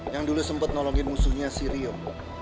yang dulu sempat nolongin musuhnya si rio